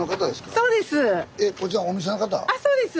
あそうです。